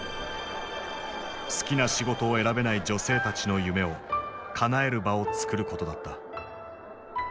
好きな仕事を選べない女性たちの夢をかなえる場をつくることだった。